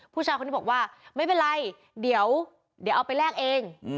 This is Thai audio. ผู้ชายคนนี้บอกว่าไม่เป็นไรเดี๋ยวเอาไปแลกเอง